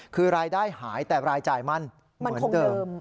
คือรายได้หายแต่รายจ่ายมั่นเหมือนเดิม